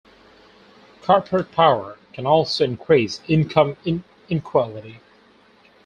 Corporate power can also increase income inequality.